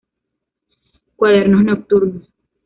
Cuadernos nocturnos.